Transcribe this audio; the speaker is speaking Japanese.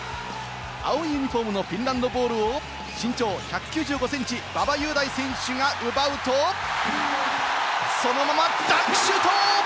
青いユニホームのフィンランドのボールを身長１９５センチの馬場雄大選手が奪うと、そのままダンクシュート！